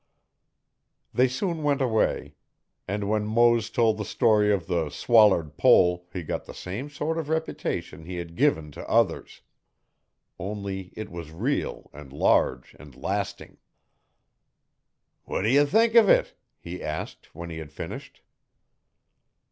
They soon went away. And when Mose told the story of 'the swallered pole' he got the same sort of reputation he had given to others. Only it was real and large and lasting. 'Wha' d' ye think uv it?' he asked, when he had finished.